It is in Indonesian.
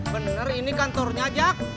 bener ini kantornya jak